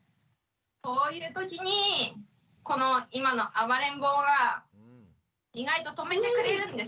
そういうときにこの今の暴れん坊が意外と止めてくれるんですね。